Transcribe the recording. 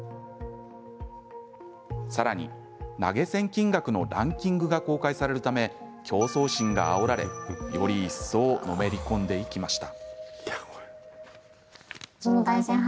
さらに投げ銭金額のランキングが公開されるため競争心があおられより一層のめり込んでいきました。